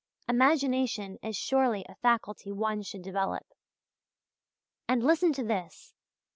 Imagination is surely a faculty one should develop" (page 44). And listen to this!